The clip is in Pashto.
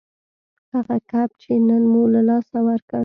هغه کب چې نن مو له لاسه ورکړ